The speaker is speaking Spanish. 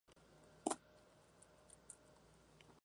Mary de Instituto de Inglaterra.